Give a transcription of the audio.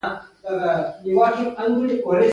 له یوه مذهبه بل ته واوړي